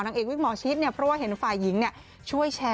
นางเอกวิธีหม่อชิดเนี่ยเพราะว่าเห็นฝ่ายหญิงเนี่ย